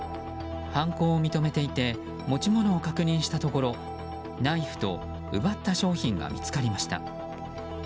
犯行を認めていて持ち物を確認したところナイフと奪った商品が見つかりました。